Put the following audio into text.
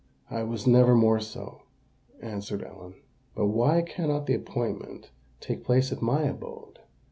"I was never more so," answered Ellen. "But why cannot the appointment take place at my abode?"